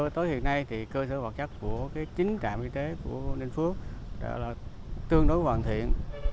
tới hiện nay cơ sở hoạt chất của chín trạm y tế của ninh phước tương đối hoàn thiện